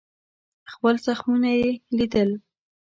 خپل زخمونه یې لیدل.